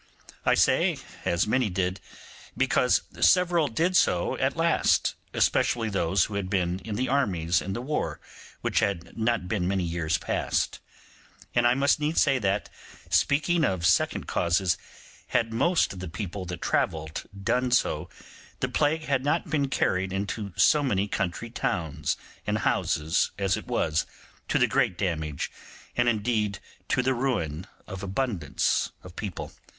I say, as many did, because several did so at last, especially those who had been in the armies in the war which had not been many years past; and I must needs say that, speaking of second causes, had most of the people that travelled done so, the plague had not been carried into so many country towns and houses as it was, to the great damage, and indeed to the ruin, of abundance of people.